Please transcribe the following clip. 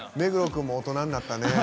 君も大人になったね。